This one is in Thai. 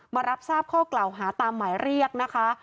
มารับทราบข้อกล่าวหาตามหมายเรียกนะคะ